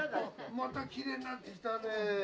またきれいになってきたね。